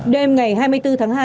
đêm ngày hai mươi bốn tháng hai